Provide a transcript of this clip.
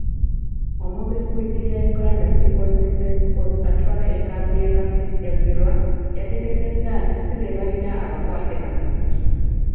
Omwogezi w'eggye lya Uganda People's Defence Force atwala enkambi y'e Kasijjagirwa, yategeezezza nti sibebalina abakwate bano.